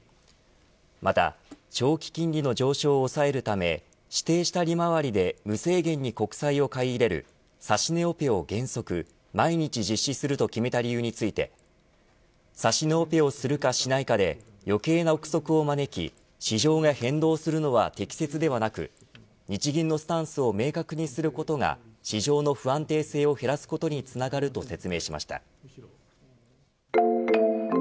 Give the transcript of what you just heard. また長期金利の上昇を抑えるため指定した利回りで無制限に国債を買い入れる指値オペを原則毎日実施すると決めた理由について指値オペをするかしないかで余計な臆測を招き市場が変動するのは適切ではなく日銀のスタンスを明確にすることが市場の不安定性を減らすことにつながると説明しました。